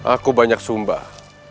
aku banyak sumbah